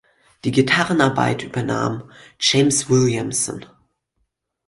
Die Gitarrenarbeit übernahm James Williamson.